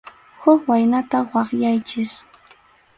Huk waynata waqyaychik.